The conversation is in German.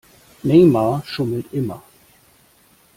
Neymar schummelt immer.